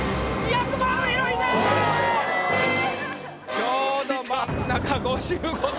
ちょうど真ん中５５点。